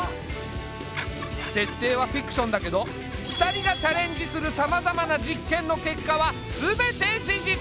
設定はフィクションだけど２人がチャレンジするさまざまな実験の結果は全て事実。